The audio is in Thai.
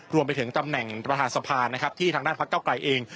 รวมไปถึงตำแหน่งประธานสภานะครับที่ทางด้านพักเก้าไกลเอง